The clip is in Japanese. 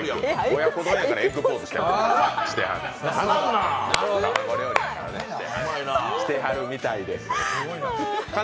親子丼やからエッグポーズしてはるみたいです。